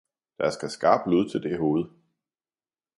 »Der skal skarp Lud til det Hoved!